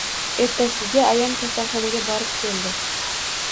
Ertasiga ayam kasalxonaga borib keldi.